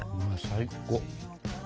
最高！